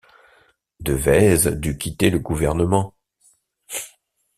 Devèze dut quitter le gouvernement.